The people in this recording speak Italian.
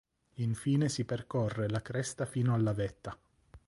Infine si percorre la cresta fino alla vetta.